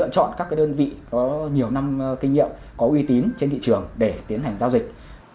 chọn các đơn vị có nhiều năm kinh nghiệm có uy tín trên thị trường để tiến hành giao dịch